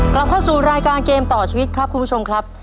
กลับเข้าสู่รายการเกมต่อชีวิตครับคุณผู้ชมครับ